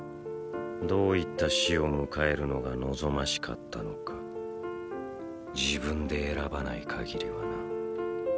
どういった死を迎えるのが望ましかったのか自分で選ばない限りはな。